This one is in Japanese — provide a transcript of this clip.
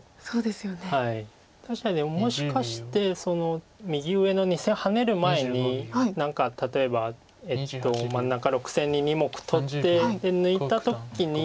確かにもしかしてその右上の２線ハネる前に何か例えば真ん中６線に２目取って抜いた時に。